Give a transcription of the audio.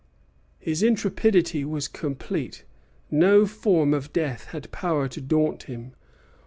His intrepidity was complete. No form of death had power to daunt him.